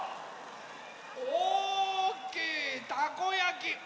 おおきいたこやき！